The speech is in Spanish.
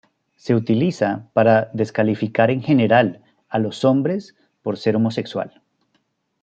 Se utiliza para descalificar en general a los hombres por ser homosexual.